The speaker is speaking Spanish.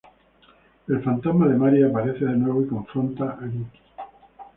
El fantasma de Mary aparece de nuevo y confronta a Nikki.